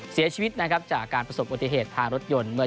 เสียชีวิตจากการประสบอุติเหตุทานรถยนต์